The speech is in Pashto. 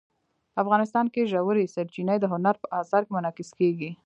افغانستان کې ژورې سرچینې د هنر په اثار کې منعکس کېږي.